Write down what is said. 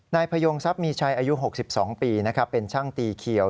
นายพยงทรัพย์มีชัยอายุ๖๒ปีเป็นช่างตีเขียว